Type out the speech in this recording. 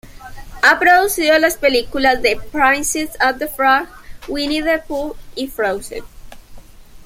Ha producido las películas "The Princess and the Frog", "Winnie the Pooh" y "Frozen".